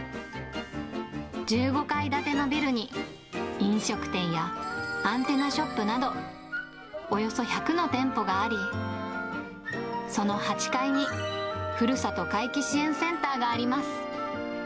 １５階建てのビルに、飲食店やアンテナショップなど、およそ１００の店舗があり、その８階に、ふるさと回帰支援センターがあります。